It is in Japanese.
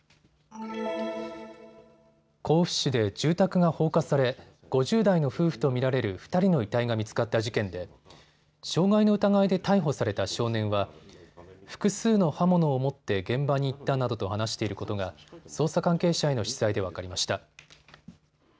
甲府市で住宅が放火され、５０代の夫婦と見られる２人の遺体が見つかった事件で傷害の疑いで逮捕された少年は複数の刃物を持って現場に行ったなどと話していることが捜査関係者への取材で分かりました。